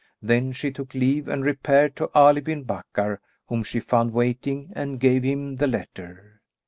Then she took leave and repaired to Ali bin Bakkar, whom she found waiting, and gave him the letter.